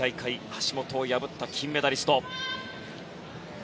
橋本を破った金メダリスト。